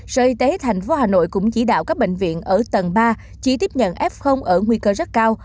sở y tế tp hà nội cũng chỉ đạo các bệnh viện ở tầng ba chỉ tiếp nhận f ở nguy cơ rất cao